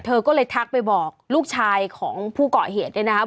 เธอก็เลยทักไปบอกลูกชายของผู้เกาะเหตุเนี่ยนะครับ